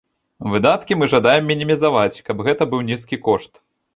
Выдаткі мы жадаем мінімізаваць, каб гэта быў нізкі кошт.